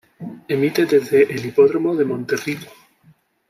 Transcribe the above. Emite desde el Hipódromo de Monterrico.